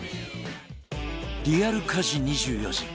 リアル家事２４時